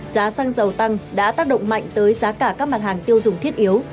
giá xăng dầu tăng đã tác động mạnh tới giá cả các mặt hàng tiêu dùng thiết yếu